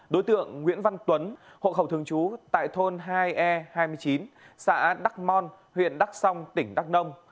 đối tượng nguyễn văn tuấn hộ khẩu thường trú tại thôn hai e hai mươi chín xã đắk mon huyện đắk xom tỉnh đắk nông